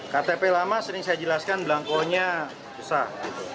ktp lama sering saya jelaskan belangkonya susah